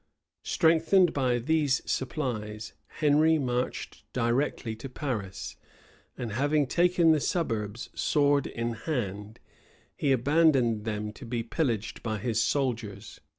Strengthened by these supplies, Henry marched directly to Paris; and having taken the suburbs sword in hand, he abandoned them to be pillaged by his soldiers.